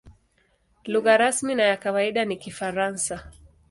Lugha rasmi na ya kawaida ni Kifaransa.